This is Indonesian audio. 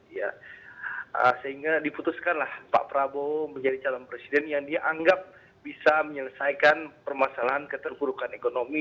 ya sehingga diputuskanlah pak prabowo menjadi calon presiden yang dia anggap bisa menyelesaikan permasalahan keterburukan ekonomi